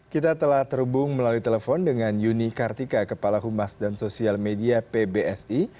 kita telah terhubung melalui telepon dengan yuni kartika kepala humas dan sosial media pbsi